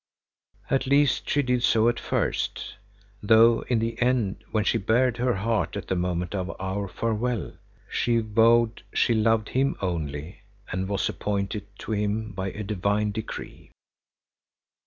At least she did so at first, though in the end when she bared her heart at the moment of our farewell, she vowed she loved him only and was "appointed" to him "by a divine decree."